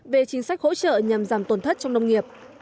về chính sách hỗ trợ nhằm giảm tổn thất trong nông nghiệp